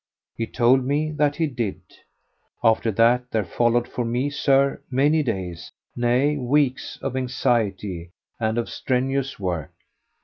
He told me that he did. After that there followed for me, Sir, many days, nay, weeks, of anxiety and of strenuous work.